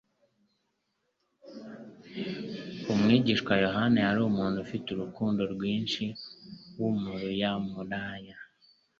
Umwigishwa Yohana yari umuntu ufite urukundo rwinshi w'umuruyamuraya